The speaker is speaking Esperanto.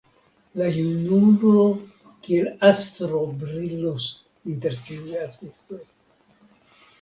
La junulo kiel astro brilos inter ĉiuj artistoj.